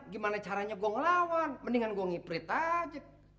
gimana caranya gue ngelawan mendingan gue ngiprit aja